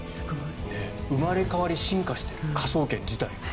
生まれ変わり進化している科捜研自体が。